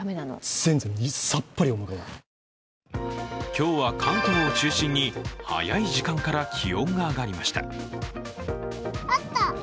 今日は関東を中心に早い時間から気温が上がりました。